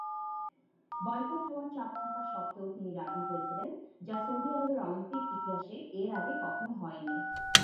Boycott হওয়ার চাপ থাকা সত্ত্বেও তিনি রাজি হয়েছিলেন, যা সৌদি আরবের অলিম্পিক ইতিহাসে এর আগে কখনও হয়নি।